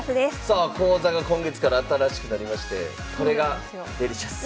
さあ講座が今月から新しくなりましてこれがデリシャス！